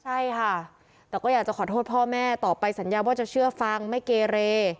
ใช่ค่ะแต่ก็อยากจะขอโทษพ่อแม่ต่อไปสัญญาว่าจะเชื่อฟังไม่เกเร